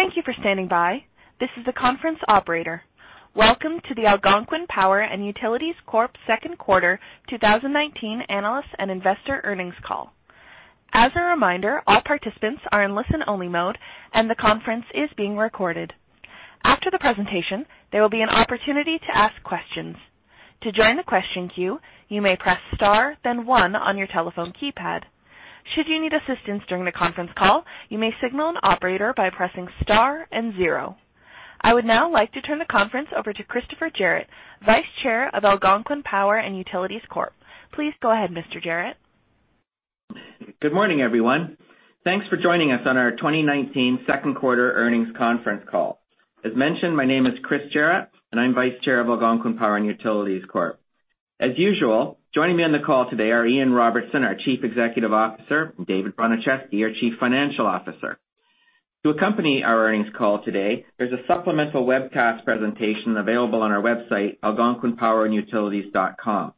Thank you for standing by. This is the conference operator. Welcome to the Algonquin Power & Utilities Corp. Second Quarter 2019 Analyst and Investor Earnings Call. As a reminder, all participants are in listen-only mode, and the conference is being recorded. After the presentation, there will be an opportunity to ask questions. To join the question queue, you may press star then one on your telephone keypad. Should you need assistance during the conference call, you may signal an operator by pressing star and zero. I would now like to turn the conference over to Christopher Jarratt, Vice Chair of Algonquin Power & Utilities Corp.. Please go ahead, Mr. Jarratt. Good morning, everyone. Thanks for joining us on our 2019 second quarter earnings conference call. As mentioned, my name is Chris Jarratt, and I'm Vice Chair of Algonquin Power & Utilities Corp. As usual, joining me on the call today are Ian Robertson, our Chief Executive Officer, and David Bronicheski, our Chief Financial Officer. To accompany our earnings call today, there's a supplemental webcast presentation available on our website, algonquinpowerandutilities.com.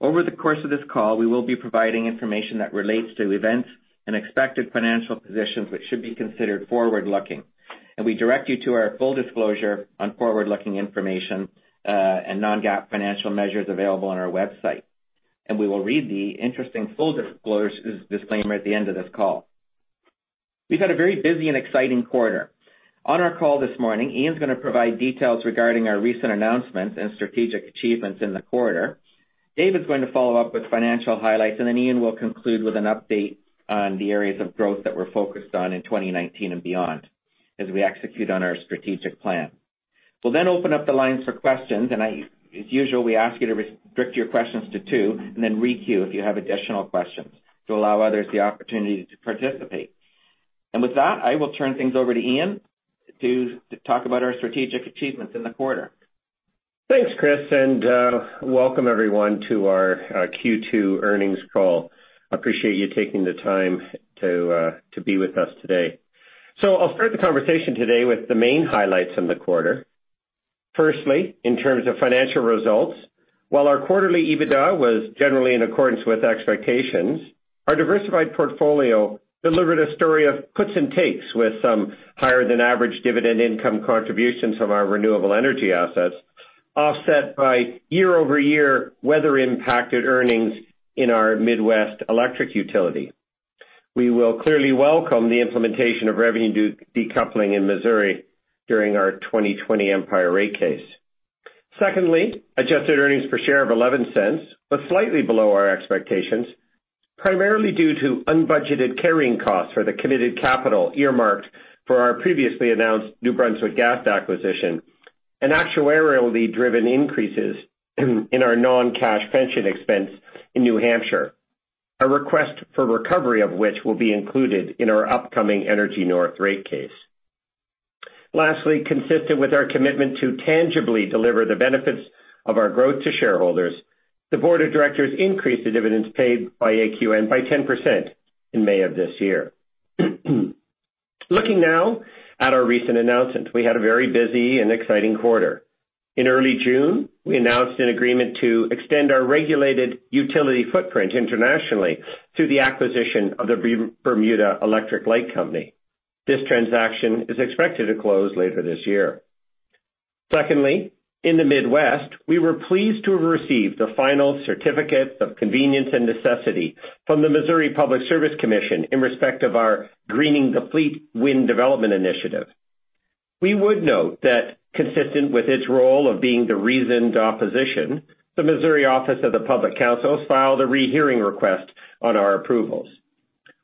Over the course of this call, we will be providing information that relates to events and expected financial positions which should be considered forward-looking. We direct you to our full disclosure on forward-looking information, and non-GAAP financial measures available on our website. We will read the interesting full disclosure disclaimer at the end of this call. We've had a very busy and exciting quarter. On our call this morning, Ian's going to provide details regarding our recent announcements and strategic achievements in the quarter. David's going to follow up with financial highlights, and then Ian will conclude with an update on the areas of growth that we're focused on in 2019 and beyond as we execute on our strategic plan. We'll then open up the lines for questions, and as usual, we ask you to restrict your questions to two, and then re-queue if you have additional questions to allow others the opportunity to participate. With that, I will turn things over to Ian to talk about our strategic achievements in the quarter. Thanks, Chris. Welcome everyone to our Q2 earnings call. Appreciate you taking the time to be with us today. I'll start the conversation today with the main highlights in the quarter. Firstly, in terms of financial results, while our quarterly EBITDA was generally in accordance with expectations, our diversified portfolio delivered a story of puts and takes with some higher than average dividend income contributions from our renewable energy assets, offset by year-over-year weather impacted earnings in our Midwest electric utility. We will clearly welcome the implementation of revenue decoupling in Missouri during our 2020 Empire rate case. Secondly, adjusted earnings per share of $0.11 was slightly below our expectations, primarily due to unbudgeted carrying costs for the committed capital earmarked for our previously announced New Brunswick Gas acquisition and actuarially driven increases in our non-cash pension expense in New Hampshire. A request for recovery of which will be included in our upcoming Energy North rate case. Lastly, consistent with our commitment to tangibly deliver the benefits of our growth to shareholders, the board of directors increased the dividends paid by AQN by 10% in May of this year. Looking now at our recent announcements. We had a very busy and exciting quarter. In early June, we announced an agreement to extend our regulated utility footprint internationally through the acquisition of the Bermuda Electric Light Company. This transaction is expected to close later this year. Secondly, in the Midwest, we were pleased to have received the final Certificate of Convenience and Necessity from the Missouri Public Service Commission in respect of our Greening the Fleet wind development initiative. We would note that consistent with its role of being the reasoned opposition, the Missouri Office of the Public Counsel filed a rehearing request on our approvals.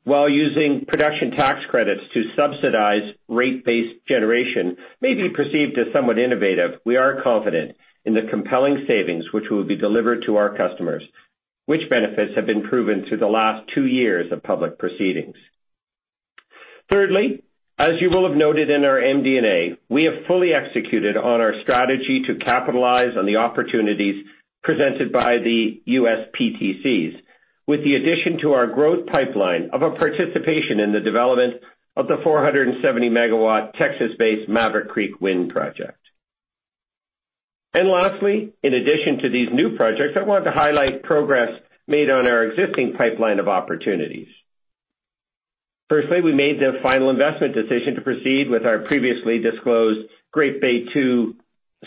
While using production tax credits to subsidize rate-based generation may be perceived as somewhat innovative, we are confident in the compelling savings which will be delivered to our customers, which benefits have been proven through the last two years of public proceedings. Thirdly, as you will have noted in our MD&A, we have fully executed on our strategy to capitalize on the opportunities presented by the U.S. PTCs with the addition to our growth pipeline of a participation in the development of the 470-megawatt Texas-based Maverick Creek Wind project. Lastly, in addition to these new projects, I want to highlight progress made on our existing pipeline of opportunities. Firstly, we made the final investment decision to proceed with our previously disclosed Great Bay 2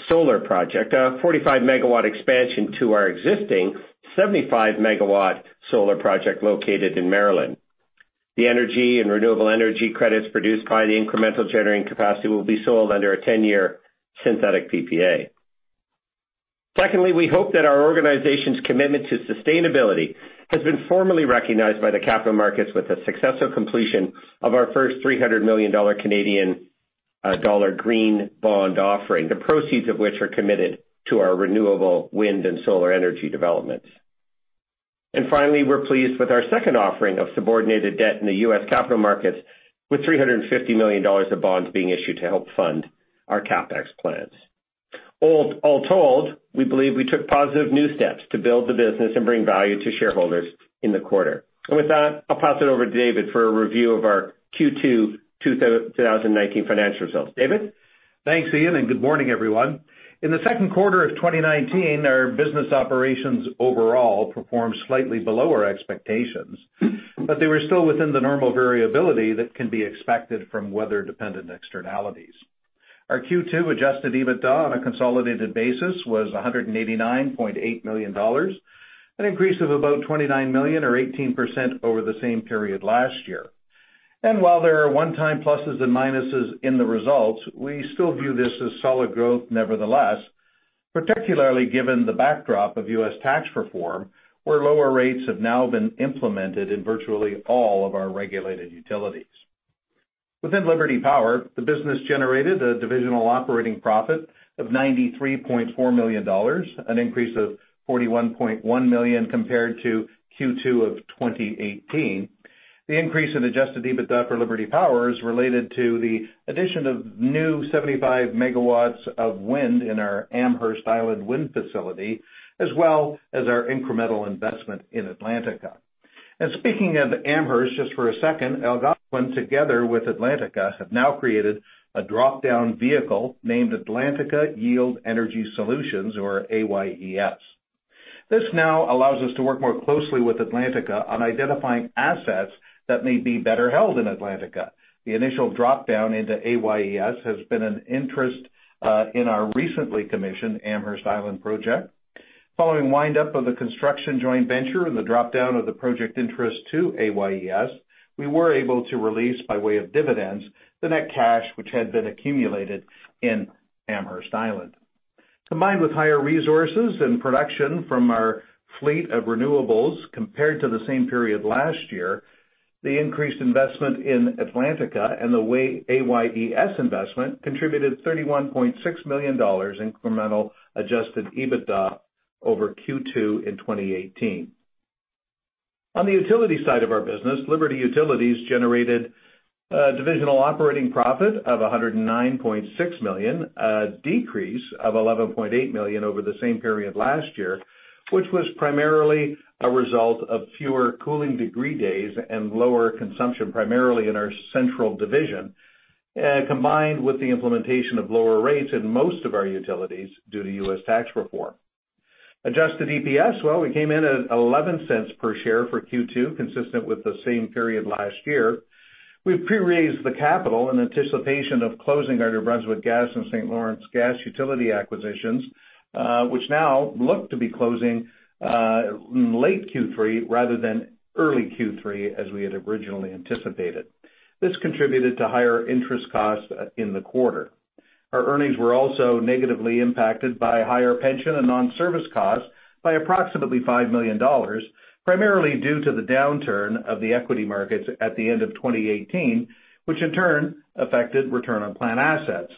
solar project, a 45-megawatt expansion to our existing 75-megawatt solar project located in Maryland. The energy and renewable energy credits produced by the incremental generating capacity will be sold under a 10-year synthetic PPA. Secondly, we hope that our organization's commitment to sustainability has been formally recognized by the capital markets with the successful completion of our first 300 million Canadian dollar green bond offering. The proceeds of which are committed to our renewable wind and solar energy developments. Finally, we're pleased with our second offering of subordinated debt in the U.S. capital markets with $350 million of bonds being issued to help fund our CapEx plans. All told, we believe we took positive new steps to build the business and bring value to shareholders in the quarter. With that, I'll pass it over to David for a review of our Q2 2019 financial results. David? Thanks, Ian, good morning, everyone. In the second quarter of 2019, our business operations overall performed slightly below our expectations They were still within the normal variability that can be expected from weather-dependent externalities. Our Q2 adjusted EBITDA on a consolidated basis was $189.8 million, an increase of about $29 million or 18% over the same period last year. While there are one-time pluses and minuses in the results, we still view this as solid growth nevertheless, particularly given the backdrop of U.S. tax reform, where lower rates have now been implemented in virtually all of our regulated utilities. Within Liberty Power, the business generated a divisional operating profit of $93.4 million, an increase of $41.1 million compared to Q2 of 2018. The increase in adjusted EBITDA for Liberty Power is related to the addition of new 75 MW of wind in our Amherst Island wind facility, as well as our incremental investment in Atlantica. Speaking of Amherst, just for a second, Algonquin, together with Atlantica, have now created a drop-down vehicle named Atlantica Yield Energy Solutions, or AYES. This now allows us to work more closely with Atlantica on identifying assets that may be better held in Atlantica. The initial drop-down into AYES has been an interest in our recently commissioned Amherst Island project. Following wind up of the construction joint venture and the drop-down of the project interest to AYES, we were able to release, by way of dividends, the net cash which had been accumulated in Amherst Island. Combined with higher resources and production from our fleet of renewables compared to the same period last year, the increased investment in Atlantica and the AYES investment contributed $31.6 million incremental adjusted EBITDA over Q2 in 2018. On the utility side of our business, Liberty Utilities generated a divisional operating profit of $109.6 million, a decrease of $11.8 million over the same period last year, which was primarily a result of fewer cooling degree days and lower consumption, primarily in our central division, combined with the implementation of lower rates in most of our utilities due to U.S. tax reform. Adjusted EPS, we came in at $0.11 per share for Q2, consistent with the same period last year. We pre-raised the capital in anticipation of closing our New Brunswick Gas and St. Lawrence Gas utility acquisitions, which now look to be closing in late Q3 rather than early Q3 as we had originally anticipated. This contributed to higher interest costs in the quarter. Our earnings were also negatively impacted by higher pension and non-service costs by approximately $5 million, primarily due to the downturn of the equity markets at the end of 2018, which in turn affected return on plan assets.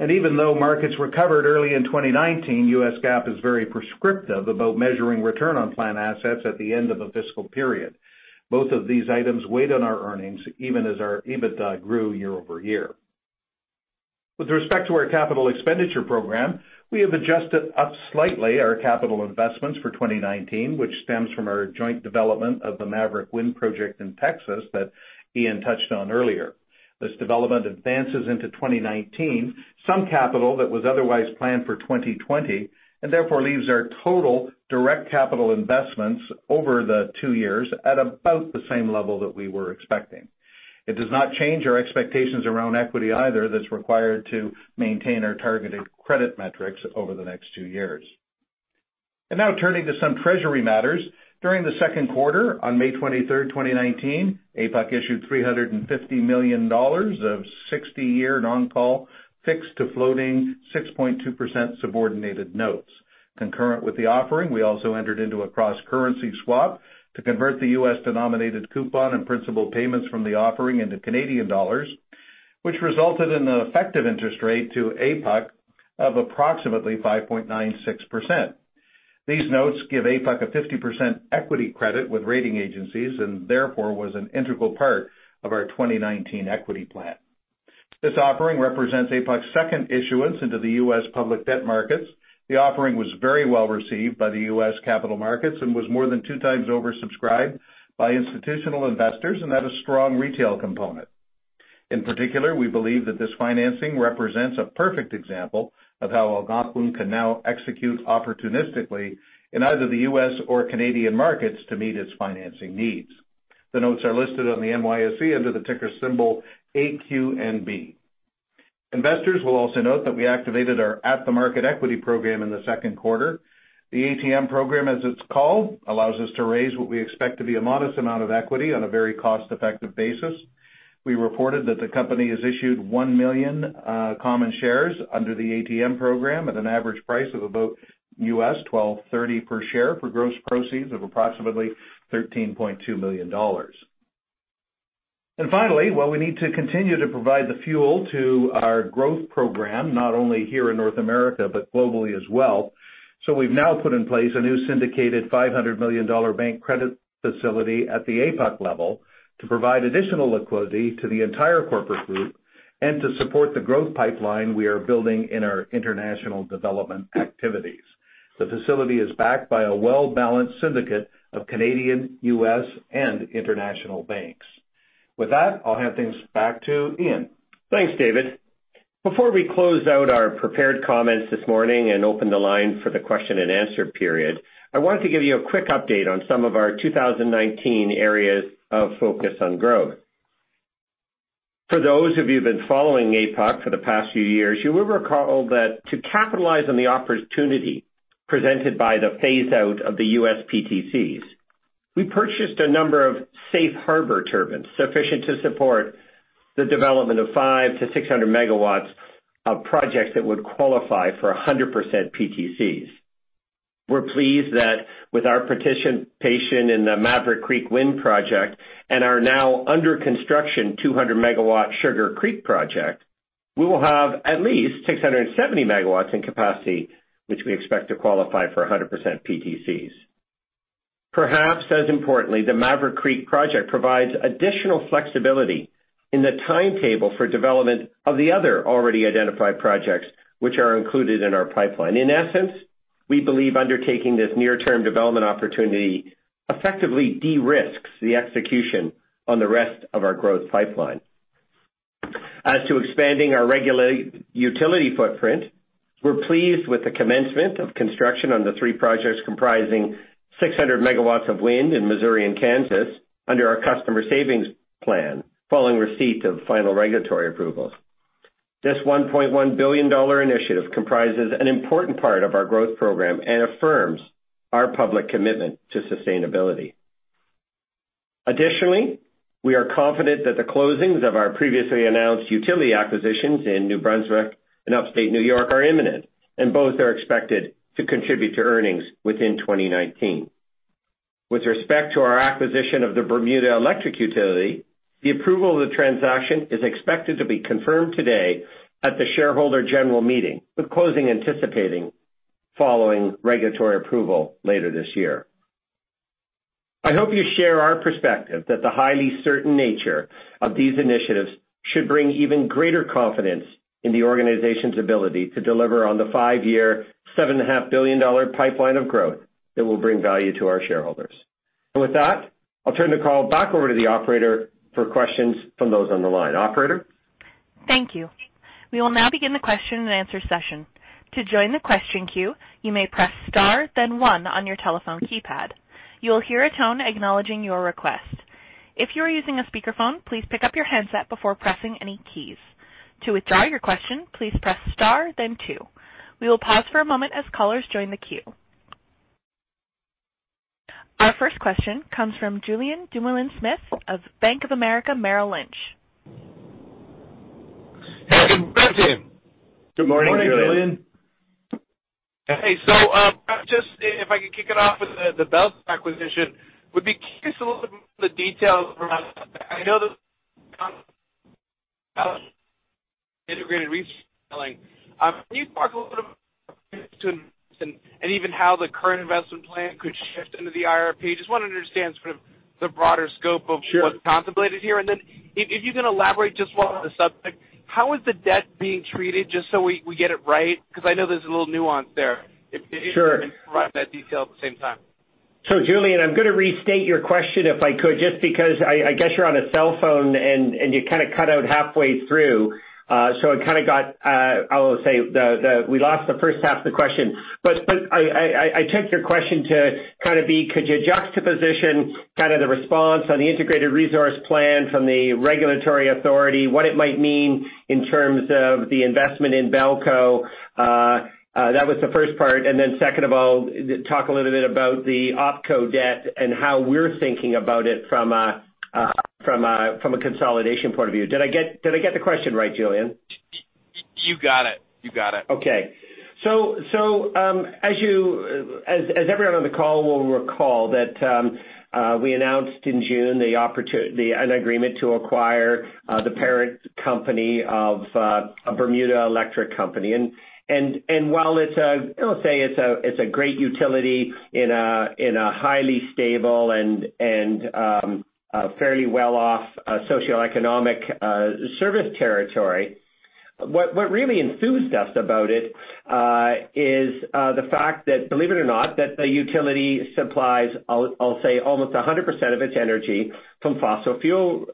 Even though markets recovered early in 2019, US GAAP is very prescriptive about measuring return on plan assets at the end of a fiscal period. Both of these items weighed on our earnings, even as our EBITDA grew year-over-year. With respect to our capital expenditure program, we have adjusted up slightly our capital investments for 2019, which stems from our joint development of the Maverick Creek Wind project in Texas that Ian touched on earlier. This development advances into 2019 some capital that was otherwise planned for 2020, and therefore leaves our total direct capital investments over the two years at about the same level that we were expecting. It does not change our expectations around equity either that's required to maintain our targeted credit metrics over the next two years. Now turning to some treasury matters. During the second quarter, on May 23rd, 2019, APUC issued $350 million of 60-year non-call fixed to floating 6.2% subordinated notes. Concurrent with the offering, we also entered into a cross-currency swap to convert the U.S.-denominated coupon and principal payments from the offering into Canadian dollars, which resulted in an effective interest rate to APUC of approximately 5.96%. These notes give APUC a 50% equity credit with rating agencies, and therefore was an integral part of our 2019 equity plan. This offering represents APUC's second issuance into the U.S. public debt markets. The offering was very well-received by the U.S. capital markets and was more than two times oversubscribed by institutional investors and had a strong retail component. In particular, we believe that this financing represents a perfect example of how Algonquin can now execute opportunistically in either the U.S. or Canadian markets to meet its financing needs. The notes are listed on the NYSE under the ticker symbol AQNB. Investors will also note that we activated our at-the-market equity program in the second quarter. The ATM program, as it's called, allows us to raise what we expect to be a modest amount of equity on a very cost-effective basis. We reported that the company has issued 1 million common shares under the ATM program at an average price of about U.S. $12.30 per share for gross proceeds of approximately $13.2 million. Finally, while we need to continue to provide the fuel to our growth program, not only here in North America, but globally as well. We've now put in place a new syndicated $500 million bank credit facility at the APUC level to provide additional liquidity to the entire corporate group and to support the growth pipeline we are building in our international development activities. The facility is backed by a well-balanced syndicate of Canadian, U.S., and international banks. With that, I'll hand things back to Ian. Thanks, David. Before we close out our prepared comments this morning and open the line for the question and answer period, I wanted to give you a quick update on some of our 2019 areas of focus on growth. For those of you who've been following APUC for the past few years, you will recall that to capitalize on the opportunity presented by the phase-out of the U.S. PTCs, we purchased a number of safe harbor turbines, sufficient to support the development of 5 to 600 megawatts of projects that would qualify for 100% PTCs. We're pleased that with our participation in the Maverick Creek Wind project and our now under construction 200-megawatt Sugar Creek Wind project, we will have at least 670 megawatts in capacity, which we expect to qualify for 100% PTCs. Perhaps as importantly, the Maverick Creek project provides additional flexibility in the timetable for development of the other already identified projects which are included in our pipeline. In essence, we believe undertaking this near-term development opportunity effectively de-risks the execution on the rest of our growth pipeline. As to expanding our regulated utility footprint, we're pleased with the commencement of construction on the three projects comprising 600 MW of wind in Missouri and Kansas under our Customer Savings Plan, following receipt of final regulatory approvals. This $1.1 billion initiative comprises an important part of our growth program and affirms our public commitment to sustainability. We are confident that the closings of our previously announced utility acquisitions in New Brunswick and Upstate New York are imminent, and both are expected to contribute to earnings within 2019. With respect to our acquisition of the Bermuda Electric Light Company, the approval of the transaction is expected to be confirmed today at the shareholder general meeting, with closing anticipating following regulatory approval later this year. I hope you share our perspective that the highly certain nature of these initiatives should bring even greater confidence in the organization's ability to deliver on the five-year, $7.5 billion pipeline of growth that will bring value to our shareholders. With that, I'll turn the call back over to the operator for questions from those on the line. Operator? Thank you. We will now begin the question and answer session. To join the question queue, you may press star, then one on your telephone keypad. You will hear a tone acknowledging your request. If you are using a speakerphone, please pick up your handset before pressing any keys. To withdraw your question, please press star, then two. We will pause for a moment as callers join the queue. Our first question comes from Julien Dumoulin-Smith of Bank of America Merrill Lynch. Hey, good morning. Good morning, Julien. Hey, just if I could kick it off with the BELCO acquisition, would be curious a little bit more of the details around that. I know that Integrated Resource Planning. Can you talk a little bit and even how the current investment plan could shift into the IRP? Just want to understand sort of the broader scope. Sure what's contemplated here. If you can elaborate just while on the subject, how is the debt being treated, just so we get it right? I know there's a little nuance there. Sure. If you could provide that detail at the same time. Julien, I'm going to restate your question if I could, just because I guess you're on a cell phone, and you kind of cut out halfway through. I kind of got I will say we lost the first half of the question. I took your question to kind of be, could you juxtaposition kind of the response on the integrated resource plan from the regulatory authority, what it might mean in terms of the investment in BELCO? That was the first part. Then second of all, talk a little bit about the OpCo debt and how we're thinking about it from a consolidation point of view. Did I get the question right, Julien? You got it. Okay. As everyone on the call will recall that we announced in June an agreement to acquire the parent company of Bermuda Electric Light Company. While it's, I'll say, a great utility in a highly stable and fairly well off socioeconomic service territory. What really enthused us about it is the fact that, believe it or not, that the utility supplies, I'll say, almost 100% of its energy from fossil fuel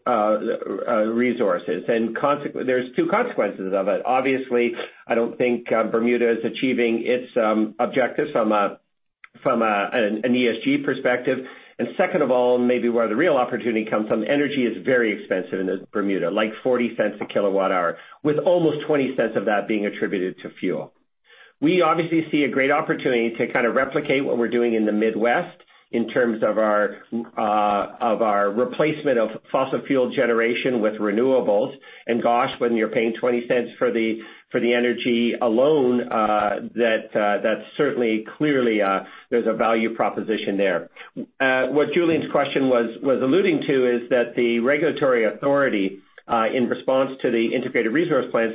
resources. There's two consequences of it. Obviously, I don't think Bermuda is achieving its objectives from an ESG perspective. Second of all, maybe where the real opportunity comes from, energy is very expensive in Bermuda, like $0.40 a kilowatt hour, with almost $0.20 of that being attributed to fuel. We obviously see a great opportunity to kind of replicate what we're doing in the Midwest in terms of our replacement of fossil fuel generation with renewables. Gosh, when you're paying $0.20 for the energy alone, that's certainly, clearly there's a value proposition there. What Julien's question was alluding to is that the regulatory authority, in response to the integrated resource plans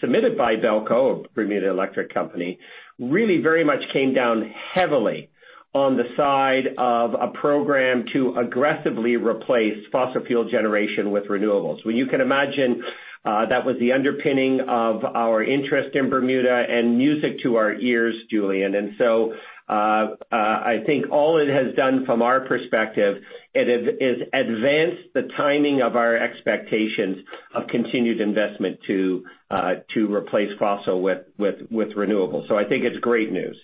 submitted by BELCO, Bermuda Electric Light Company, really very much came down heavily on the side of a program to aggressively replace fossil fuel generation with renewables. Well, you can imagine that was the underpinning of our interest in Bermuda and music to our ears, Julien. I think all it has done from our perspective, it has advanced the timing of our expectations of continued investment to replace fossil with renewables. I think it's great news.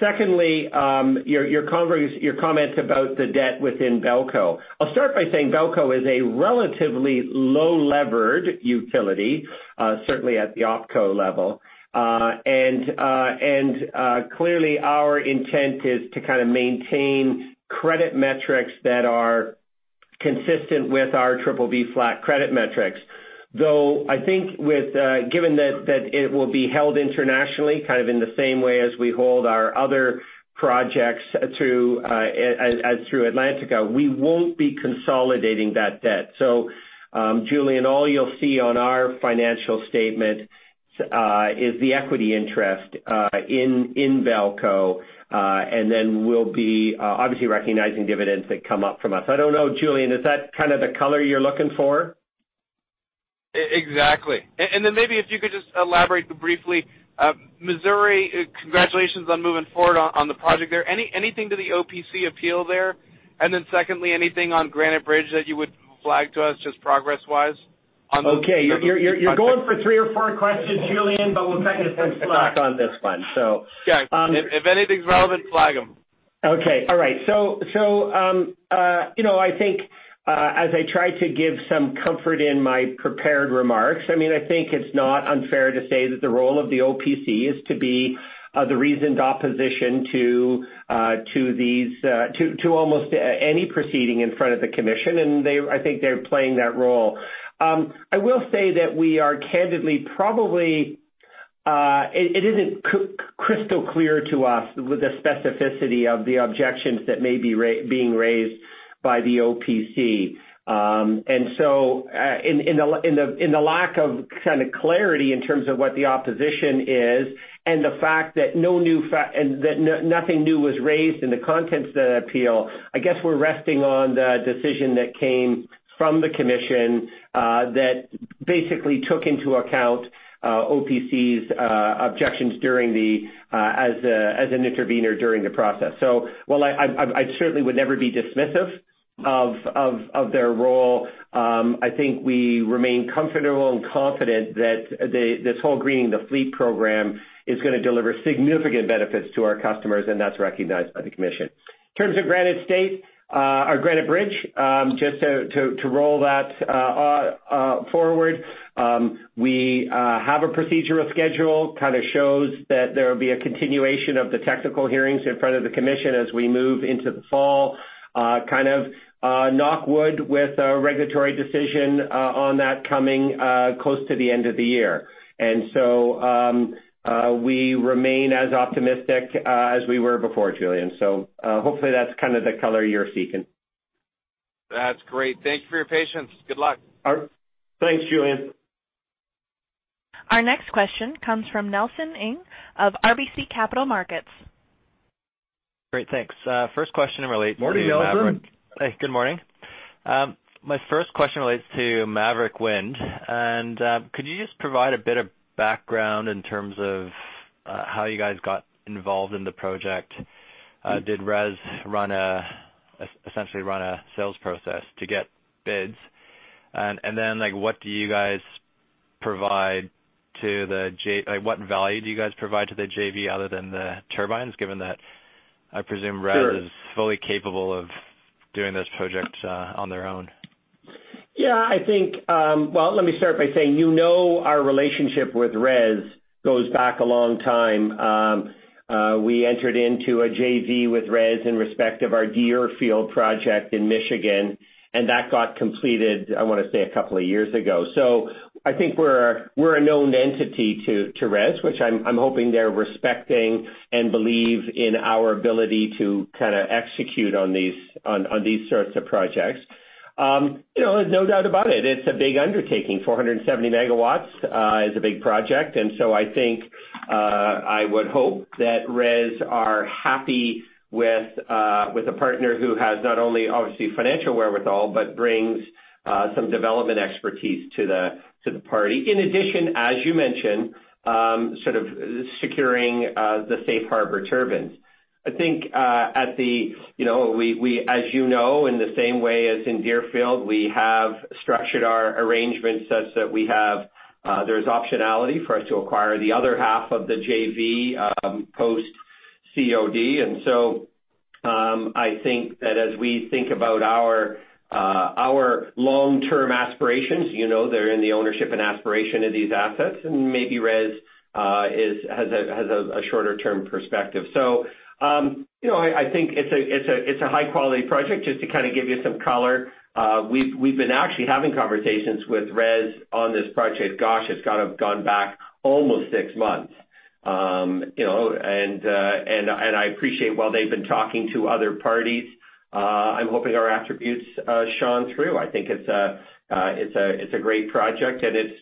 Secondly, your comments about the debt within BELCO. I'll start by saying BELCO is a relatively low-levered utility, certainly at the OpCo level. Clearly our intent is to kind of maintain credit metrics that are consistent with our BBB flat credit metrics. Though I think given that it will be held internationally, kind of in the same way as we hold our other projects as through Atlantica, we won't be consolidating that debt. Julien, all you'll see on our financial statement is the equity interest in BELCO, and then we'll be obviously recognizing dividends that come up from us. I don't know, Julien, is that kind of the color you're looking for? Exactly. Maybe if you could just elaborate briefly. Missouri, congratulations on moving forward on the project there. Anything to the OPC appeal there? Secondly, anything on Granite Bridge that you would flag to us just progress-wise? Okay. You're going for three or four questions, Julien, but we'll take it one slot on this one. Yeah. If anything's relevant, flag them. All right. I think as I try to give some comfort in my prepared remarks, I think it's not unfair to say that the role of the OPC is to be the reasoned opposition to almost any proceeding in front of the commission, and I think they're playing that role. I will say that we are candidly, it isn't crystal clear to us with the specificity of the objections that may be being raised by the OPC. In the lack of kind of clarity in terms of what the opposition is and the fact that nothing new was raised in the contents of that appeal, I guess we're resting on the decision that came from the commission that basically took into account OPC's objections as an intervener during the process. While I certainly would never be dismissive of their role, I think we remain comfortable and confident that this whole Greening the Fleet program is going to deliver significant benefits to our customers, and that's recognized by the commission. In terms of Granite Bridge, just to roll that forward. We have a procedural schedule, kind of shows that there will be a continuation of the technical hearings in front of the commission as we move into the fall. Kind of knock wood with a regulatory decision on that coming close to the end of the year. We remain as optimistic as we were before, Julien. Hopefully that's kind of the color you're seeking. That's great. Thank you for your patience. Good luck. Thanks, Julien. Our next question comes from Nelson Ng of RBC Capital Markets. Great, thanks. First question relates to Maverick- Morning, Nelson. Hey, good morning. My first question relates to Maverick Wind. Could you just provide a bit of background in terms of how you guys got involved in the project? Did RES essentially run a sales process to get bids? What value do you guys provide to the JV other than the turbines, given that I presume RES is fully capable of doing this project on their own? Yeah, well, let me start by saying, you know our relationship with RES goes back a long time. We entered into a JV with RES in respect of our Deerfield project in Michigan, that got completed, I want to say, a couple of years ago. I think we're a known entity to RES, which I'm hoping they're respecting and believe in our ability to kind of execute on these sorts of projects. There's no doubt about it's a big undertaking. 470 MW is a big project. I think I would hope that RES are happy with a partner who has not only, obviously, financial wherewithal, but brings some development expertise to the party. In addition, as you mentioned, sort of securing the safe harbor turbines. I think as you know, in the same way as in Deerfield, we have structured our arrangement such that there is optionality for us to acquire the other half of the JV post COD. I think that as we think about our long-term aspirations, you know they're in the ownership and aspiration of these assets, and maybe RES has a shorter-term perspective. I think it's a high-quality project. Just to kind of give you some color, we've been actually having conversations with RES on this project, gosh, it's kind of gone back almost six months. I appreciate while they've been talking to other parties, I'm hoping our attributes shone through. I think it's a great project and it's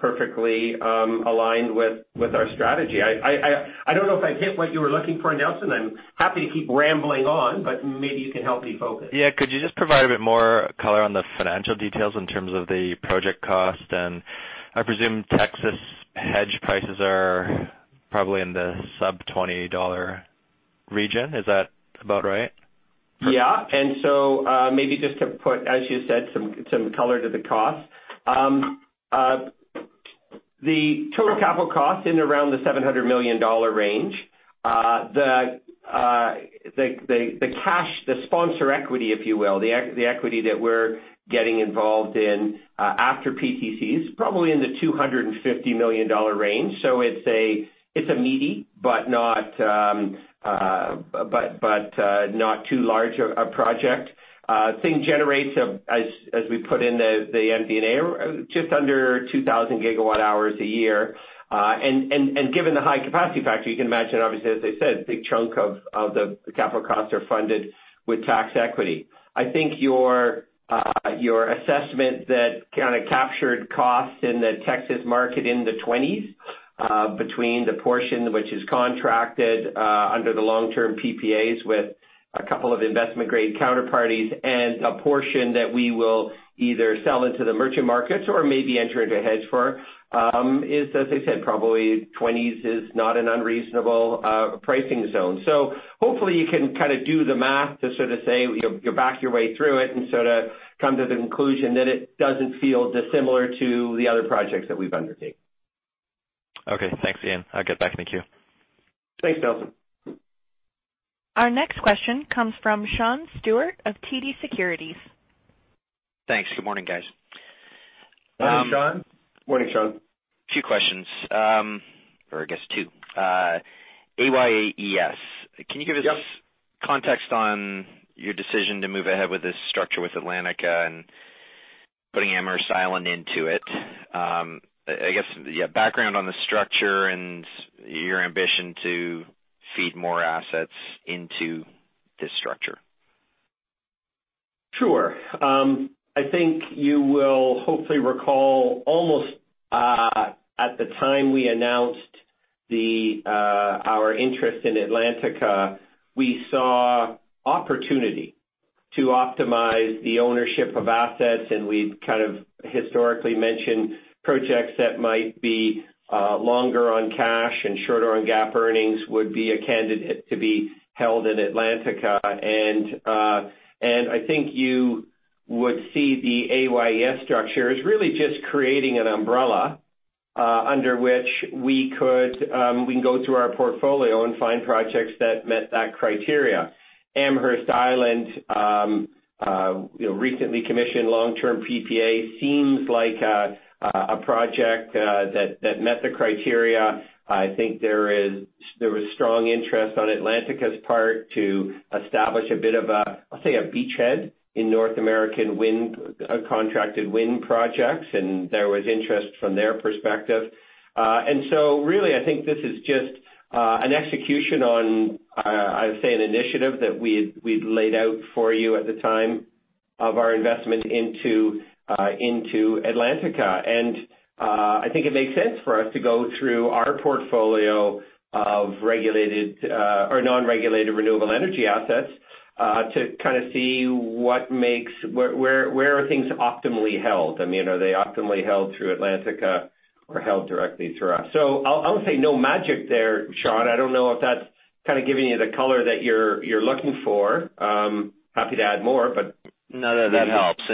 perfectly aligned with our strategy. I don't know if I've hit what you were looking for, Nelson. I'm happy to keep rambling on, but maybe you can help me focus. Yeah. Could you just provide a bit more color on the financial details in terms of the project cost? I presume Texas hedge prices are probably in the sub-$20 region. Is that about right? Yeah. Maybe just to put, as you said, some color to the cost. The total capital cost in around the $700 million range. The cash, the sponsor equity, if you will, the equity that we're getting involved in after PTC is probably in the $250 million range. It's a meaty, but not too large a project. Thing generates, as we put in the MD&A, just under 2,000 gigawatt hours a year. Given the high capacity factor, you can imagine, obviously, as I said, big chunk of the capital costs are funded with tax equity. I think your assessment that captured costs in the Texas market in the $20s, between the portion which is contracted under the long-term PPAs with a couple of investment-grade counterparties and a portion that we will either sell into the merchant markets or maybe enter into a hedge for, is, as I said, probably $20s is not an unreasonable pricing zone. Hopefully you can do the math to sort of say you back your way through it and come to the conclusion that it doesn't feel dissimilar to the other projects that we've undertaken. Okay, thanks, Ian. I'll get back in the queue. Thanks, Nelson. Our next question comes from Sean Steuart of TD Securities. Thanks. Good morning, guys. Morning, Sean. Morning, Sean. Few questions, or I guess two. AYES. Yep. Can you give us context on your decision to move ahead with this structure with Atlantica and putting Amherst Island into it? I guess, yeah, background on the structure and your ambition to feed more assets into this structure. I think you will hopefully recall almost at the time we announced our interest in Atlantica, we saw opportunity to optimize the ownership of assets, and we've kind of historically mentioned projects that might be longer on cash and shorter on GAAP earnings would be a candidate to be held in Atlantica. I think you would see the AYES structure is really just creating an umbrella under which we can go through our portfolio and find projects that met that criteria. Amherst Island, recently commissioned long-term PPA, seems like a project that met the criteria. I think there was strong interest on Atlantica's part to establish a bit of a, I'll say, a beachhead in North American contracted wind projects, and there was interest from their perspective. Really, I think this is just an execution on, I would say, an initiative that we'd laid out for you at the time of our investment into Atlantica. I think it makes sense for us to go through our portfolio of non-regulated renewable energy assets to see where are things optimally held. Are they optimally held through Atlantica or held directly through us? I would say no magic there, Sean. I don't know if that's giving you the color that you're looking for. Happy to add more. No, that helps.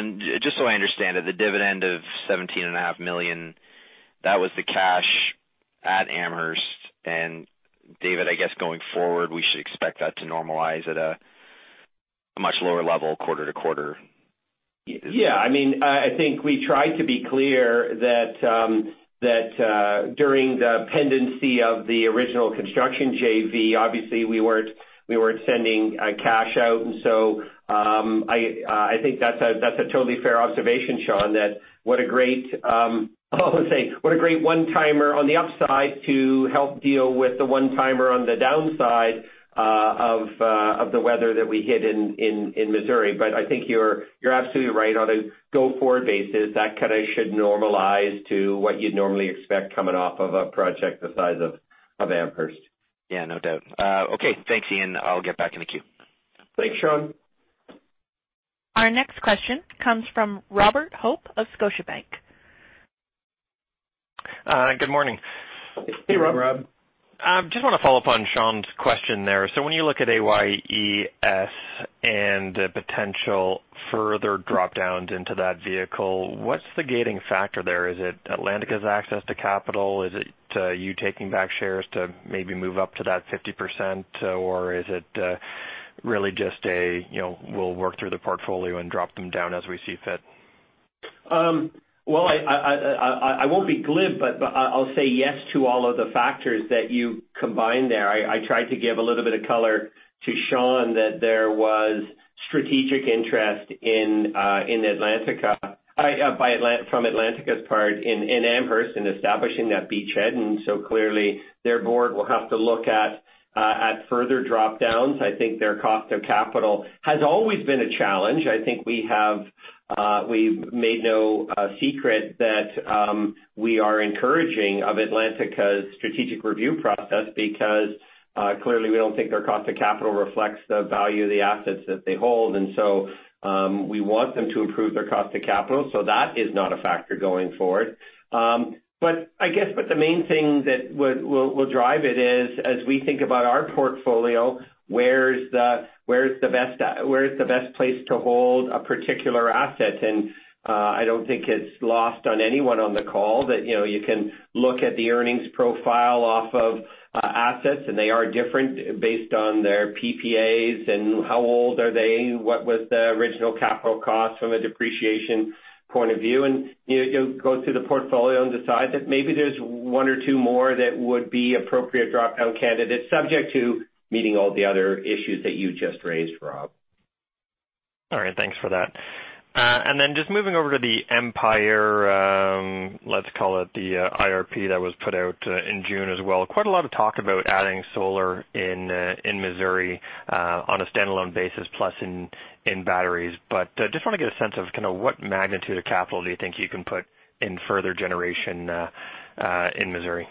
Just so I understand it, the dividend of $17.5 million, that was the cash at Amherst. David, I guess going forward, we should expect that to normalize at a much lower level quarter-to-quarter. Yeah. I think we tried to be clear that during the pendency of the original construction JV, obviously we weren't sending cash out. I think that's a totally fair observation, Sean, that what a great, I would say, what a great one-timer on the upside to help deal with the one-timer on the downside of the weather that we hit in Missouri. I think you're absolutely right. On a go-forward basis, that kind of should normalize to what you'd normally expect coming off of a project the size of Amherst. Yeah, no doubt. Thanks, Ian. I'll get back in the queue. Thanks, Sean. Our next question comes from Robert Hope of Scotiabank. Good morning. Hey, Rob. Hey, Rob. Just want to follow up on Sean's question there. When you look at AYES and the potential further drop-downs into that vehicle, what's the gating factor there? Is it Atlantica's access to capital? Is it you taking back shares to maybe move up to that 50%? Or is it really just a, we'll work through the portfolio and drop them down as we see fit? Well, I won't be glib, but I'll say yes to all of the factors that you combined there. I tried to give a little bit of color to Sean that there was strategic interest from Atlantica's part in Amherst in establishing that beachhead, and so clearly their board will have to look at further drop-downs. I think their cost of capital has always been a challenge. I think we've made no secret that we are encouraging of Atlantica's strategic review process because, clearly, we don't think their cost of capital reflects the value of the assets that they hold. We want them to improve their cost of capital. That is not a factor going forward. I guess the main thing that will drive it is, as we think about our portfolio, where's the best place to hold a particular asset? I don't think it's lost on anyone on the call that you can look at the earnings profile off of assets, and they are different based on their PPAs and how old are they? What was the original capital cost from a depreciation point of view? You go through the portfolio and decide that maybe there's one or two more that would be appropriate drop-down candidates, subject to meeting all the other issues that you just raised, Rob. All right, thanks for that. Just moving over to the Empire, let's call it the IRP that was put out in June as well. Quite a lot of talk about adding solar in Missouri on a standalone basis, plus in batteries. Just want to get a sense of kind of what magnitude of capital do you think you can put in further generation in Missouri?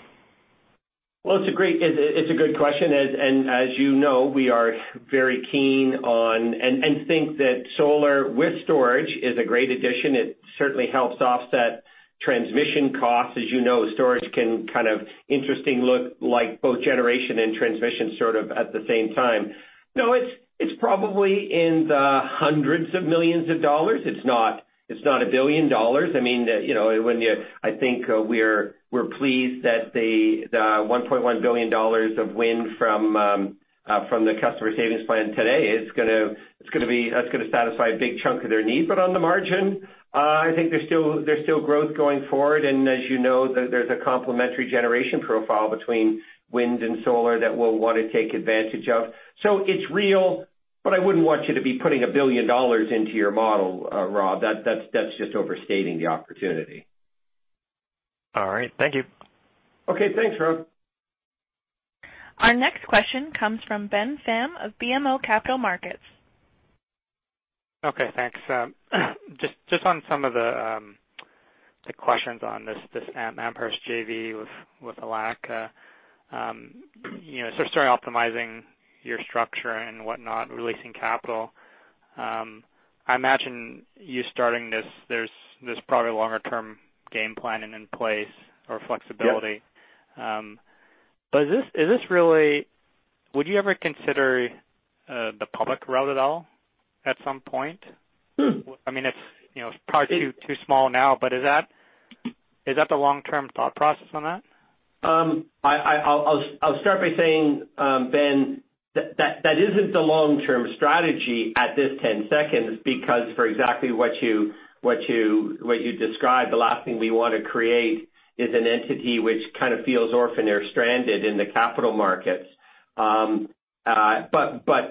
Well, it's a good question. As you know, we are very keen on and think that solar with storage is a great addition. It certainly helps offset transmission costs. As you know, storage can kind of interestingly look like both generation and transmission, sort of at the same time. No, it's probably in the $hundreds of millions. It's not $1 billion. I think we're pleased that the $1.1 billion of wind from the Customer Savings Plan today, that's going to satisfy a big chunk of their need. On the margin, I think there's still growth going forward. As you know, there's a complementary generation profile between wind and solar that we'll want to take advantage of. It's real, but I wouldn't want you to be putting $1 billion into your model, Rob. That's just overstating the opportunity. All right. Thank you. Okay. Thanks, Rob. Our next question comes from Ben Pham of BMO Capital Markets. Okay. Thanks. Just on some of the questions on this Empire's JV with Atlantica, sorry, optimizing your structure and whatnot, releasing capital. I imagine you starting this, there's probably a longer-term game plan in place or flexibility. Yeah. Would you ever consider the public route at all at some point? It's probably too small now, but is that the long-term thought process on that? I'll start by saying, Ben, that that isn't the long-term strategy at this 10 seconds, because for exactly what you described, the last thing we want to create is an entity which kind of feels orphaned or stranded in the capital markets.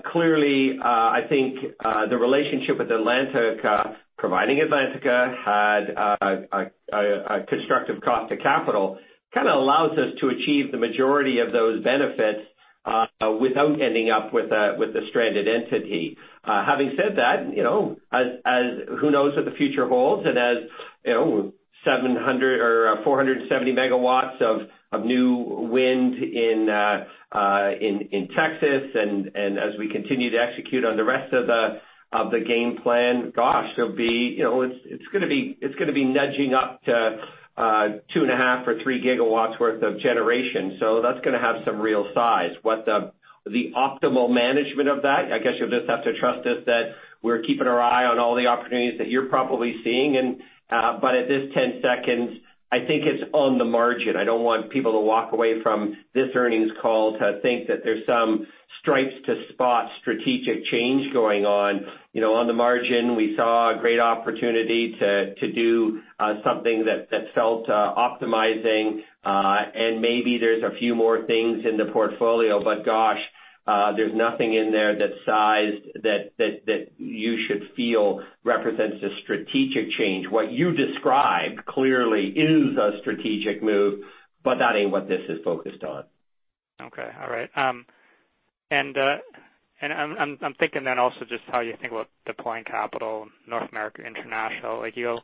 Clearly, I think the relationship with Atlantica, providing Atlantica, had a constructive cost to capital, kind of allows us to achieve the majority of those benefits without ending up with a stranded entity. Having said that, who knows what the future holds? As 470 megawatts of new wind in Texas, and as we continue to execute on the rest of the game plan, gosh, it's going to be nudging up to two and a half or three gigawatts worth of generation. That's going to have some real size. What the optimal management of that, I guess you'll just have to trust us that we're keeping our eye on all the opportunities that you're probably seeing. At this 10 seconds, I think it's on the margin. I don't want people to walk away from this earnings call to think that there's some stripes to spot strategic change going on. On the margin, we saw a great opportunity to do something that felt optimizing. Maybe there's a few more things in the portfolio, but, gosh, there's nothing in there that sized that you should feel represents a strategic change. What you described clearly is a strategic move, but that ain't what this is focused on. Okay. All right. I'm thinking then also just how you think about deploying capital North America, international. Like, you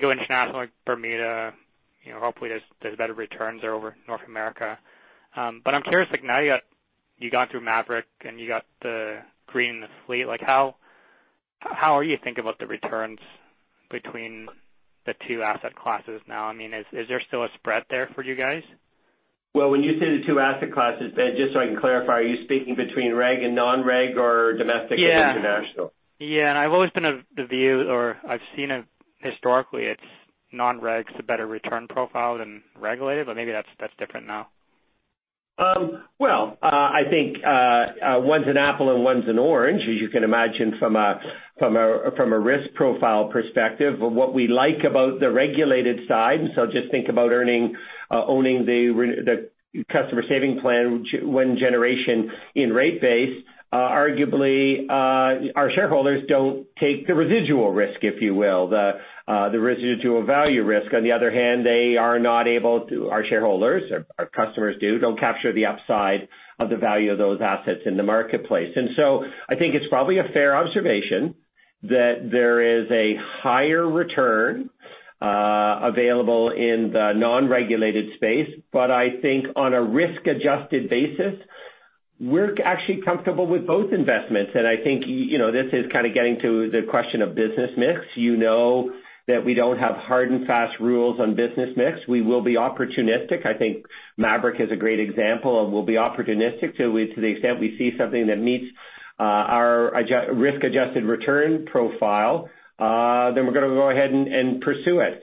go international, like Bermuda, hopefully, there's better returns there over North America. I'm curious, now you got through Maverick, and you got the green fleet. How are you thinking about the returns between the two asset classes now? Is there still a spread there for you guys? Well, when you say the two asset classes, Ben, just so I can clarify, are you speaking between reg and non-reg or domestic-? Yeah International? Yeah. I've always been of the view, or I've seen it historically, it's non-reg is a better return profile than regulated, but maybe that's different now. Well, I think one's an apple and one's an orange, as you can imagine, from a risk profile perspective. What we like about the regulated side, so just think about owning the Customer Savings Plan when generation in rate base, arguably, our shareholders don't take the residual risk, if you will, the residual value risk. On the other hand, they are not able to, our shareholders, our customers do, don't capture the upside of the value of those assets in the marketplace. I think it's probably a fair observation that there is a higher return available in the non-regulated space. I think on a risk-adjusted basis, we're actually comfortable with both investments. I think this is kind of getting to the question of business mix. You know that we don't have hard and fast rules on business mix. We will be opportunistic. I think Maverick is a great example of we'll be opportunistic. To the extent we see something that meets our risk-adjusted return profile, then we're going to go ahead and pursue it.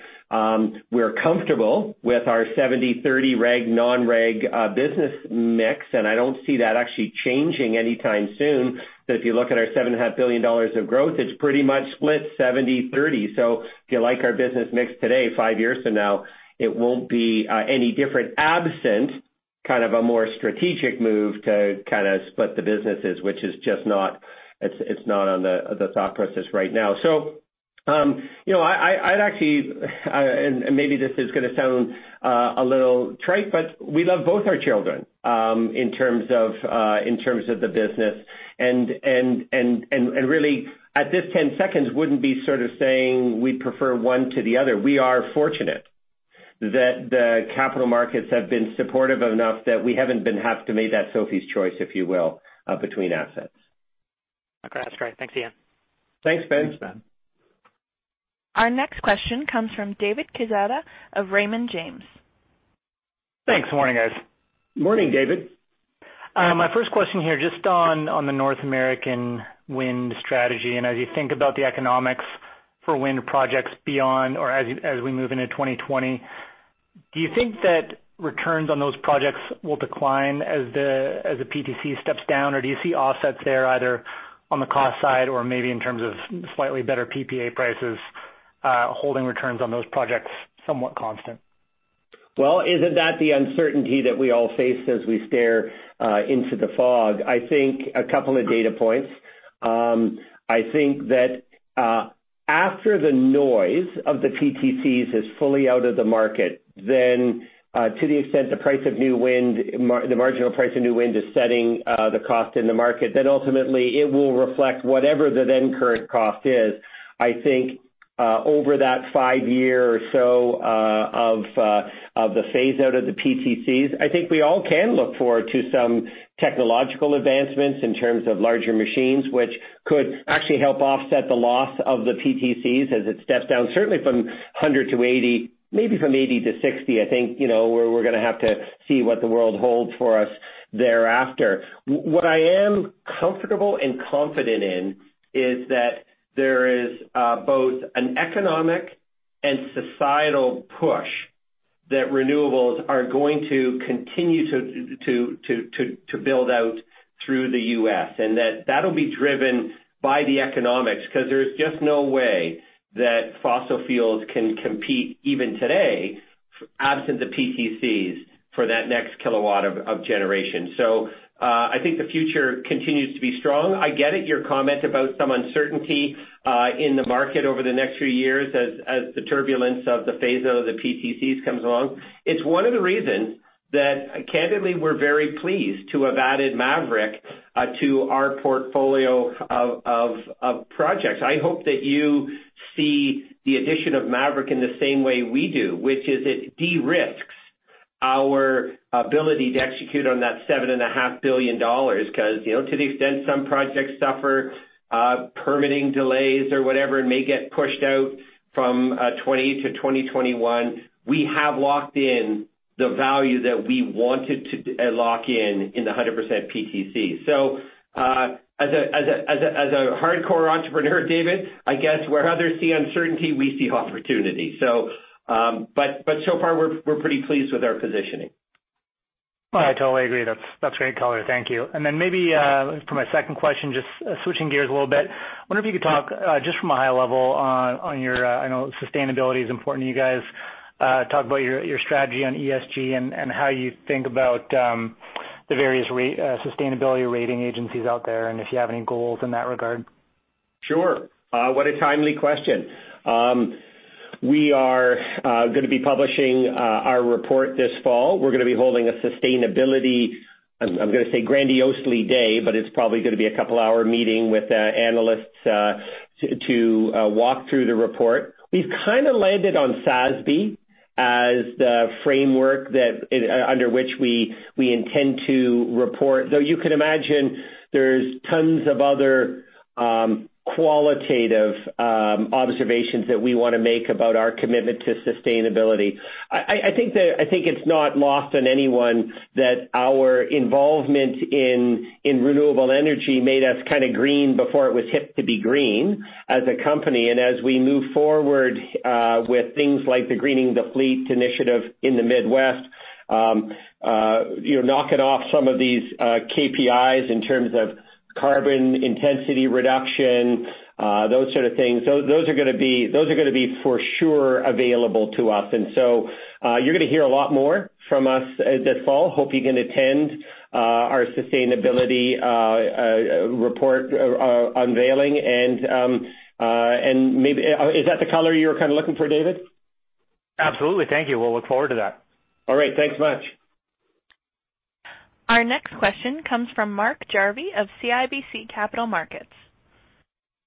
We're comfortable with our 70/30 reg/non-reg business mix, and I don't see that actually changing anytime soon. If you look at our $7.5 billion of growth, it's pretty much split 70/30. If you like our business mix today, five years from now, it won't be any different absent a more strategic move to split the businesses, which it's not on the thought process right now. I'd actually, and maybe this is going to sound a little trite, but we love both our children in terms of the business and really at this 10 seconds wouldn't be sort of saying we'd prefer one to the other. We are fortunate that the capital markets have been supportive enough that we haven't had to make that Sophie's choice, if you will, between assets. Okay. That's great. Thanks, Ian. Thanks, Ben. Thanks, Ben. Our next question comes from David Quezada of Raymond James. Thanks. Morning, guys. Morning, David. My first question here, just on the North American wind strategy, and as you think about the economics for wind projects beyond, or as we move into 2020, do you think that returns on those projects will decline as the PTC steps down? Or do you see offsets there, either on the cost side or maybe in terms of slightly better PPA prices, holding returns on those projects somewhat constant? Well, isn't that the uncertainty that we all face as we stare into the fog? I think a couple of data points. I think that after the noise of the PTCs is fully out of the market, then to the extent the marginal price of new wind is setting the cost in the market, then ultimately it will reflect whatever the then current cost is. I think over that five year or so of the phase-out of the PTCs, I think we all can look forward to some technological advancements in terms of larger machines, which could actually help offset the loss of the PTCs as it steps down, certainly from 100 to 80, maybe from 80 to 60. I think we're going to have to see what the world holds for us thereafter. What I am comfortable and confident in is that there is both an economic and societal push that renewables are going to continue to build out through the U.S., and that that'll be driven by the economics, because there's just no way that fossil fuels can compete even today, absent the PTCs, for that next kilowatt of generation. I think the future continues to be strong. I get it, your comment about some uncertainty in the market over the next few years as the turbulence of the phase-out of the PTCs comes along. It's one of the reasons that, candidly, we're very pleased to have added Maverick to our portfolio of projects. I hope that you see the addition of Maverick in the same way we do, which is it de-risks our ability to execute on that $7.5 billion. To the extent some projects suffer permitting delays or whatever, and may get pushed out from 2020 to 2021, we have locked in the value that we wanted to lock in in the 100% PTC. As a hardcore entrepreneur, David, I guess where others see uncertainty, we see opportunity. So far, we're pretty pleased with our positioning. I totally agree. That's great color. Thank you. Then maybe for my second question, just switching gears a little bit. I wonder if you could talk, just from a high level, I know sustainability is important to you guys. Talk about your strategy on ESG and how you think about the various sustainability rating agencies out there and if you have any goals in that regard. Sure. What a timely question. We are going to be publishing our report this fall. We're going to be holding a sustainability, I'm going to say grandiosely day, but it's probably going to be a couple-hour meeting with analysts to walk through the report. We've kind of landed on SASB as the framework under which we intend to report, though you can imagine there's tons of other qualitative observations that we want to make about our commitment to sustainability. I think it's not lost on anyone that our involvement in renewable energy made us kind of green before it was hip to be green as a company. As we move forward with things like the Greening the Fleet initiative in the Midwest, knocking off some of these KPIs in terms of carbon intensity reduction, those sort of things, those are going to be for sure available to us. You're going to hear a lot more from us this fall. Hope you can attend our sustainability report unveiling. Is that the color you were kind of looking for, David? Absolutely. Thank you. We'll look forward to that. All right. Thanks much. Our next question comes from Mark Jarvi of CIBC Capital Markets.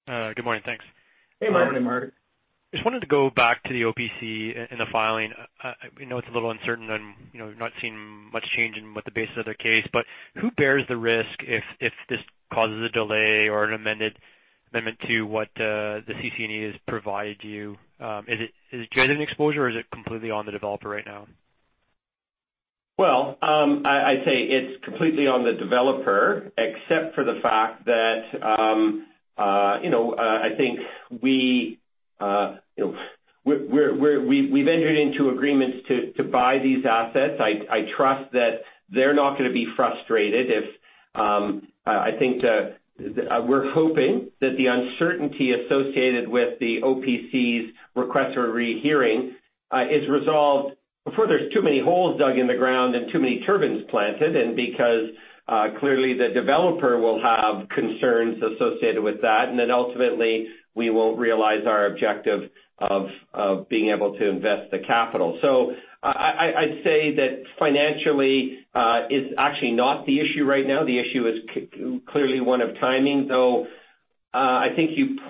Good morning. Thanks. Hey, Mark. Morning, Mark. Just wanted to go back to the OPC in the filing. I know it's a little uncertain on, we've not seen much change in what the basis of their case, but who bears the risk if this causes a delay or an amendment to what the CCN has provided you? Is it Canadian exposure, or is it completely on the developer right now? I'd say it's completely on the developer, except for the fact that, I think we've entered into agreements to buy these assets. I trust that they're not going to be frustrated I think that we're hoping that the uncertainty associated with the OPC's request for rehearing is resolved before there's too many holes dug in the ground and too many turbines planted, and because clearly the developer will have concerns associated with that, and then ultimately we won't realize our objective of being able to invest the capital. I'd say that financially, it's actually not the issue right now. The issue is clearly one of timing, though I think the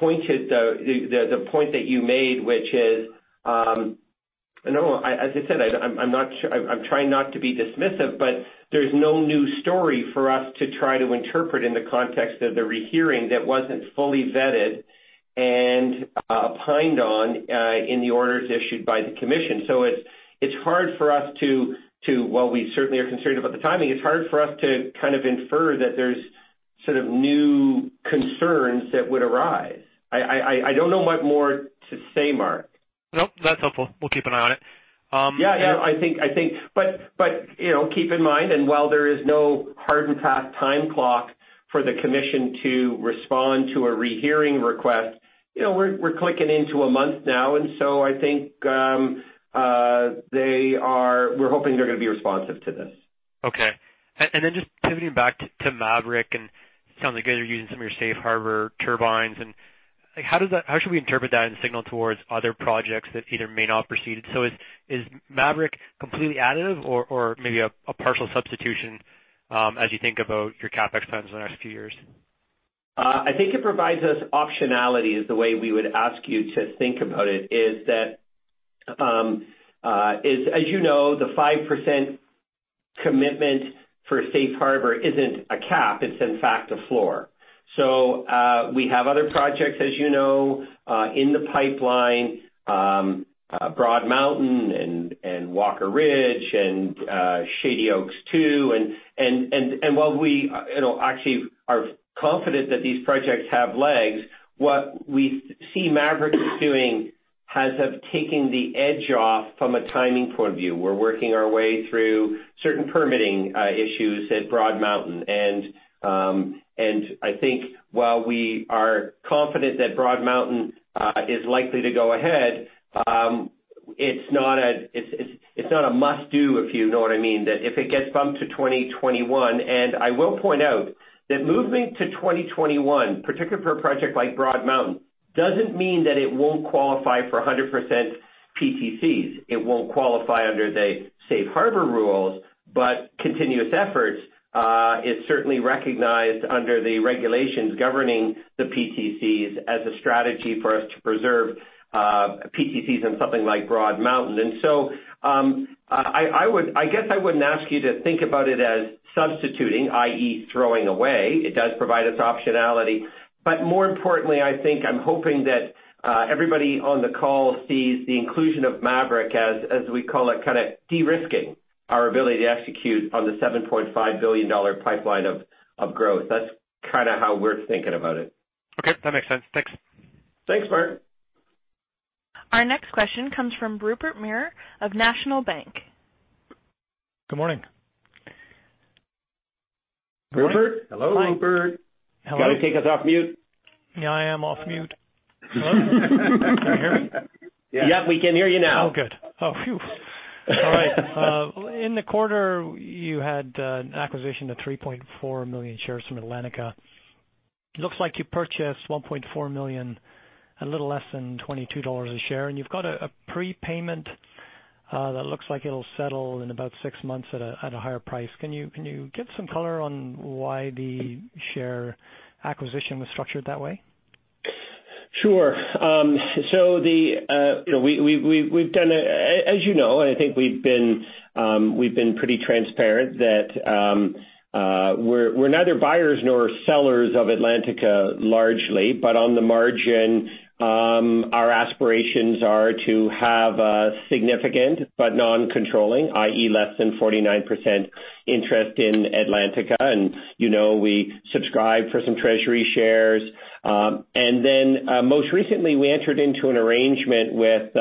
point that you made. As I said, I'm trying not to be dismissive, there's no new story for us to try to interpret in the context of the rehearing that wasn't fully vetted and opined on in the orders issued by the commission. While we certainly are concerned about the timing, it's hard for us to kind of infer that there's sort of new concerns that would arise. I don't know what more to say, Mark. Nope, that's helpful. We'll keep an eye on it. Yeah. Keep in mind and while there is no hard and fast time clock for the commission to respond to a rehearing request, we're clicking into a month now, and so I think we're hoping they're going to be responsive to this. Okay. Just pivoting back to Maverick, and it sounds like you guys are using some of your safe harbor turbines. How should we interpret that as a signal towards other projects that either may not proceed? Is Maverick completely additive or maybe a partial substitution as you think about your CapEx plans in the next few years? I think it provides us optionality, is the way we would ask you to think about it, is that as you know, the 5% commitment for safe harbor isn't a cap, it's in fact a floor. We have other projects, as you know, in the pipeline, Broad Mountain and Walker Ridge and Shady Oaks II. While we actually are confident that these projects have legs, what we see Maverick doing has of taking the edge off from a timing point of view. We're working our way through certain permitting issues at Broad Mountain. I think while we are confident that Broad Mountain is likely to go ahead, it's not a must do, if you know what I mean. If it gets bumped to 2021, I will point out that moving to 2021, particularly for a project like Broad Mountain, doesn't mean that it won't qualify for 100% PTCs. It won't qualify under the safe harbor rules, continuous efforts, is certainly recognized under the regulations governing the PTCs as a strategy for us to preserve PTCs in something like Broad Mountain. I guess I wouldn't ask you to think about it as substituting, i.e., throwing away. It does provide us optionality. More importantly, I think I'm hoping that everybody on the call sees the inclusion of Maverick as we call it, kind of de-risking our ability to execute on the $7.5 billion pipeline of growth. That's kind of how we're thinking about it. Okay, that makes sense. Thanks. Thanks, Mark. Our next question comes from Rupert Merer of National Bank. Good morning. Rupert? Hello, Rupert. Hello. Got to take us off mute. Yeah, I am off mute. Hello, can you hear me? Yeah, we can hear you now. Oh, good. Oh, phew. All right. In the quarter, you had an acquisition of 3.4 million shares from Atlantica. Looks like you purchased 1.4 million, a little less than 22 dollars a share. You've got a prepayment that looks like it'll settle in about 6 months at a higher price. Can you give some color on why the share acquisition was structured that way? Sure. As you know, I think we've been pretty transparent that we're neither buyers nor sellers of Atlantica largely, but on the margin, our aspirations are to have a significant but non-controlling, i.e., less than 49% interest in Atlantica. We subscribed for some treasury shares. Most recently, we entered into an arrangement with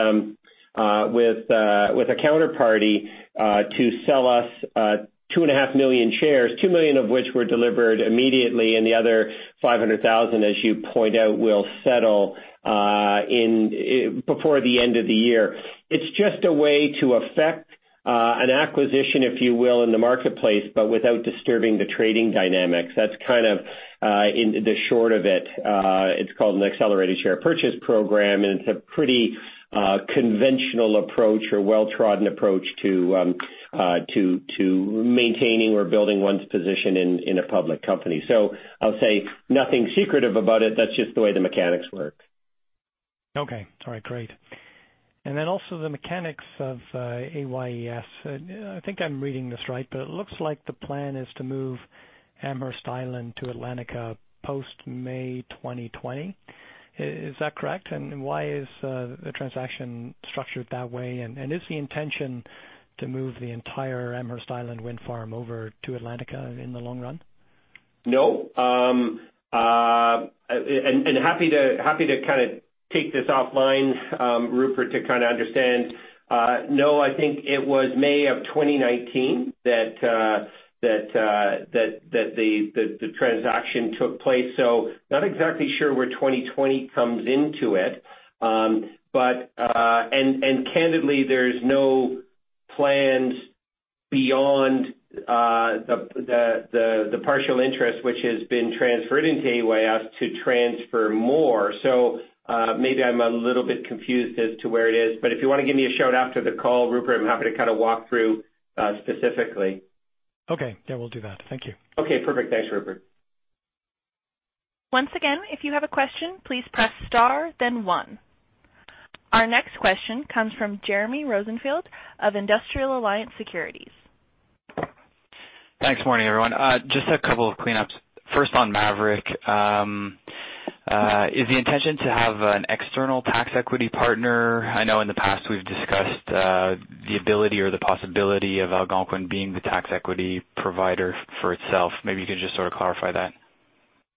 a counterparty, to sell us 2.5 million shares, 2 million of which were delivered immediately, and the other 500,000, as you point out, will settle before the end of the year. It's just a way to affect an acquisition, if you will, in the marketplace, but without disturbing the trading dynamics. That's kind of the short of it. It's called an accelerated share purchase program, it's a pretty conventional approach or well-trodden approach to maintaining or building one's position in a public company. I'll say nothing secretive about it. That's just the way the mechanics work. Okay. All right, great. Also the mechanics of AYES. I think I'm reading this right, but it looks like the plan is to move Amherst Island to Atlantica post May 2020. Is that correct? Why is the transaction structured that way? Is the intention to move the entire Amherst Island wind farm over to Atlantica in the long run? No. Happy to kind of take this offline, Rupert, to kind of understand. No, I think it was May of 2019 that the transaction took place. Not exactly sure where 2020 comes into it. Candidly, there's no plans beyond the partial interest, which has been transferred into AYES to transfer more. Maybe I'm a little bit confused as to where it is, but if you want to give me a shout-out to the call, Rupert, I'm happy to kind of walk through, specifically. Okay. Yeah, we'll do that. Thank you. Okay, perfect. Thanks, Rupert. Once again, if you have a question, please press star then one. Our next question comes from Jeremy Rosenfield of Industrial Alliance Securities. Thanks. Morning, everyone. Just a couple of cleanups. First, on Maverick, is the intention to have an external tax equity partner? I know in the past we've discussed the ability or the possibility of Algonquin being the tax equity provider for itself. Maybe you could just sort of clarify that.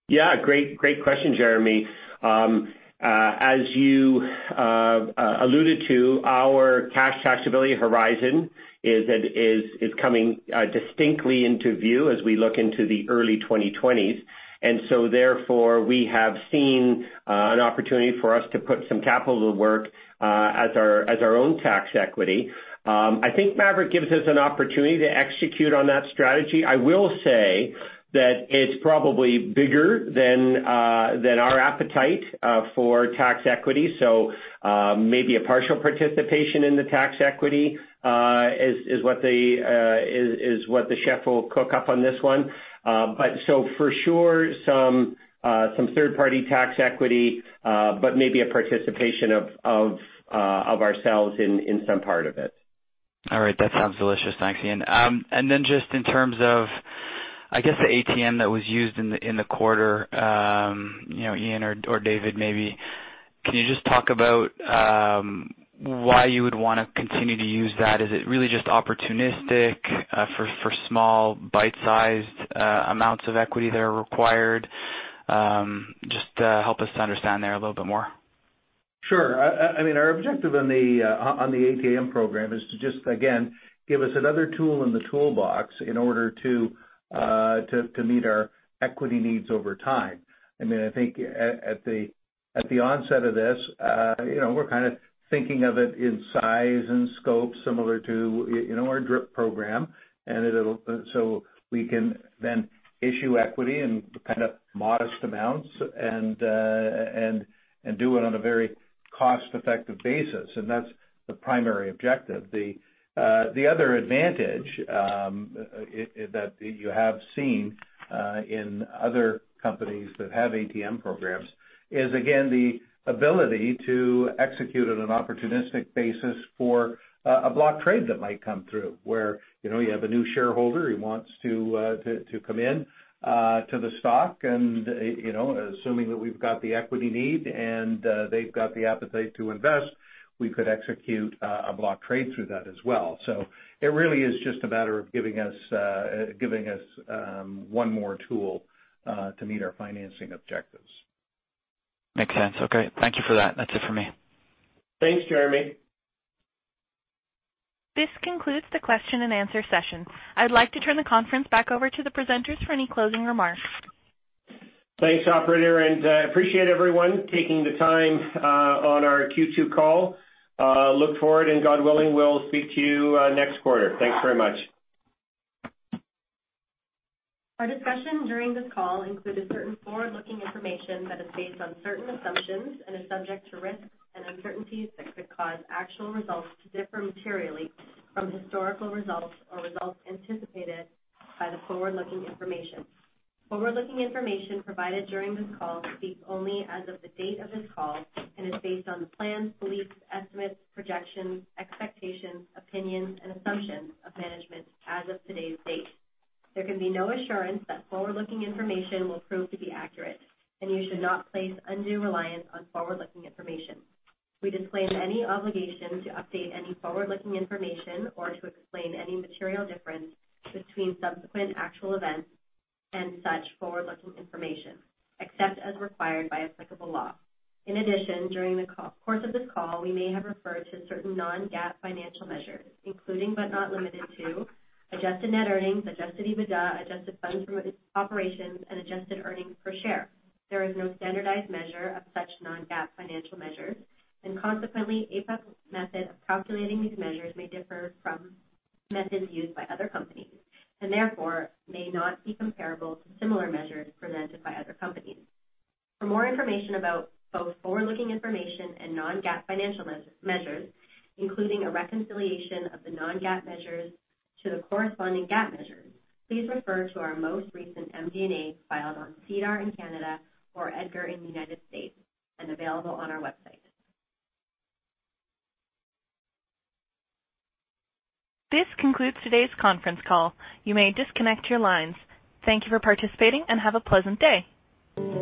Yeah. Great question, Jeremy. As you alluded to, our cash taxability horizon is coming distinctly into view as we look into the early 2020s. Therefore, we have seen an opportunity for us to put some capital to work as our own tax equity. I think Maverick gives us an opportunity to execute on that strategy. I will say that it's probably bigger than our appetite for tax equity. Maybe a partial participation in the tax equity is what the chef will cook up on this one. For sure, some third-party tax equity, but maybe a participation of ourselves in some part of it. All right. That sounds delicious. Thanks, Ian. Just in terms of, I guess, the ATM that was used in the quarter, Ian or David maybe, can you just talk about why you would want to continue to use that? Is it really just opportunistic for small bite-sized amounts of equity that are required? Just help us to understand there a little bit more. Sure. Our objective on the ATM program is to just, again, give us another tool in the toolbox in order to meet our equity needs over time. I think at the onset of this, we're kind of thinking of it in size and scope similar to our DRIP program. We can then issue equity in kind of modest amounts and do it on a very cost-effective basis. That's the primary objective. The other advantage that you have seen in other companies that have ATM programs is, again, the ability to execute on an opportunistic basis for a block trade that might come through, where you have a new shareholder who wants to come in to the stock, and assuming that we've got the equity need and they've got the appetite to invest, we could execute a block trade through that as well. It really is just a matter of giving us one more tool to meet our financing objectives. Makes sense. Okay. Thank you for that. That's it for me. Thanks, Jeremy. This concludes the question and answer session. I'd like to turn the conference back over to the presenters for any closing remarks. Thanks, operator, and appreciate everyone taking the time on our Q2 call. Look forward and God willing, we'll speak to you next quarter. Thanks very much. Our discussion during this call included certain forward-looking information that is based on certain assumptions and is subject to risks and uncertainties that could cause actual results to differ materially from historical results or results anticipated by the forward-looking information. Forward-looking information provided during this call speaks only as of the date of this call and is based on the plans, beliefs, estimates, projections, expectations, opinions, and assumptions of management as of today's date. There can be no assurance that forward-looking information will prove to be accurate, and you should not place undue reliance on forward-looking information. We disclaim any obligation to update any forward-looking information or to explain any material difference between subsequent actual events and such forward-looking information, except as required by applicable law. In addition, during the course of this call, we may have referred to certain non-GAAP financial measures, including, but not limited to, adjusted net earnings, adjusted EBITDA, adjusted funds from operations, and adjusted earnings per share. There is no standardized measure of such non-GAAP financial measures, and consequently, APUC's method of calculating these measures may differ from methods used by other companies, and therefore may not be comparable to similar measures presented by other companies. For more information about both forward-looking information and non-GAAP financial measures, including a reconciliation of the non-GAAP measures to the corresponding GAAP measures, please refer to our most recent MD&A filed on SEDAR in Canada or EDGAR in the United States and available on our website. This concludes today's conference call. You may disconnect your lines. Thank you for participating and have a pleasant day.